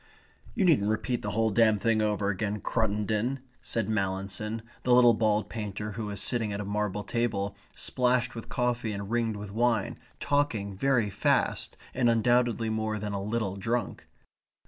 "You needn't repeat the whole damned thing over again, Cruttendon," said Mallinson, the little bald painter who was sitting at a marble table, splashed with coffee and ringed with wine, talking very fast, and undoubtedly more than a little drunk.